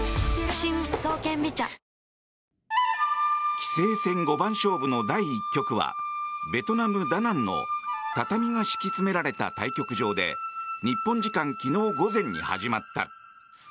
棋聖戦五番勝負の第１局はベトナム・ダナンの畳が敷き詰められた対局場で日本時間昨日午前に始まった。